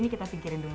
kita singkirin dulu